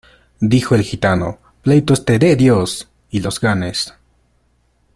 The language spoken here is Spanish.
Dijo el gitano, pleitos te dé Dios, y los ganes.